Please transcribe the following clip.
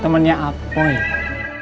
temennya apa ya